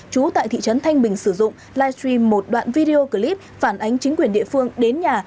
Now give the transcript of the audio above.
trú tại thị trấn thanh bình sử dụng livestream một đoạn video clip phản ánh chính quyền địa phương đến nhà